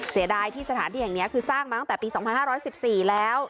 เสียดายที่สถานที่แห่งนี้คือสร้างมาตั้งแต่ปี๒๕๑๔แล้ว